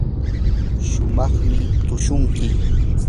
shumaqmi tushunki.